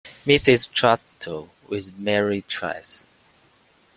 Mrs Traxel was married twice.